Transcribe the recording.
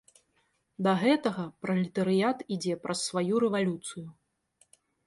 Да гэтага пралетарыят ідзе праз сваю рэвалюцыю.